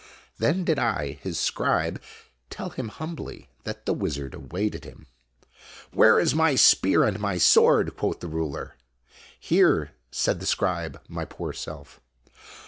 Then did I, his scribe, tell him humbly that the wizard awaited him. " Where is my spear and my sword ?" quoth the ruler. " Here," said the scribe, my poor self.